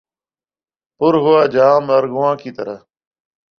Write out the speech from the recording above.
پر ہوا جام ارغواں کی طرح